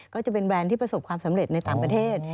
ก็จะเป็นแบรนด์ที่ประสบความสำเร็จในต่างประเทศ